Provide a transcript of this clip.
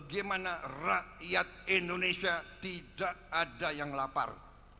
bagaimana rakyat indonesia tidak ada yang lapar